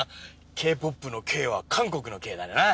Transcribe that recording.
Ｋ−ＰＯＰのＫは韓国のＫだよな。